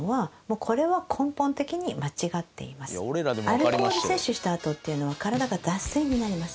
アルコール摂取したあとっていうのは体が脱水になります。